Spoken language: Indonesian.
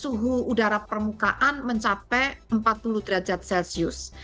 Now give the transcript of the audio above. suhu udara permukaan mencapai empat puluh derajat celcius